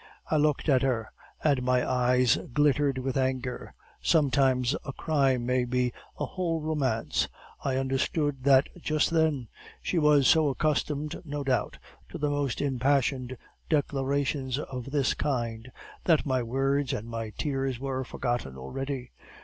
"I looked at her, and my eyes glittered with anger. Sometimes a crime may be a whole romance; I understood that just then. She was so accustomed, no doubt, to the most impassioned declarations of this kind, that my words and my tears were forgotten already.